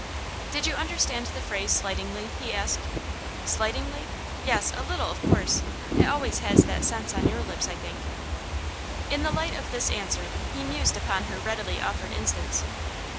'Did you understand the phrase slightingly?' he asked. 'Slightingly? Yes, a little, of course. It always has that sense on your lips, I think.' In the light of this answer he mused upon her readily offered instance.